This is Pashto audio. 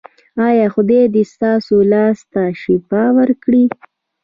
ایا خدای دې ستاسو لاس ته شفا ورکړي؟